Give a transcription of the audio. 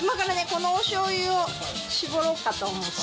このおしょう油を搾ろうかと思って。